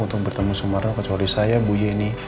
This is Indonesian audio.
untuk bertemu sumarno kecuali saya bu yeni